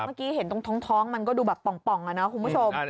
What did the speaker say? เมื่อกี้เห็นตรงท้องมันก็ดูแบบป่องอะนะคุณผู้ชม